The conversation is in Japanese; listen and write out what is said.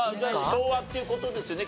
昭和っていう事ですよね？